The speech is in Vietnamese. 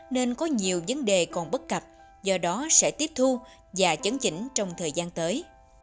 nên có nhiều vấn đề còn bất cập do đó sẽ tiếp thu và chấn chỉnh trong thời gian tới